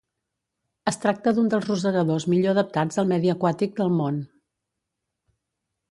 Es tracta d'un dels rosegadors millor adaptats al medi aquàtic del món.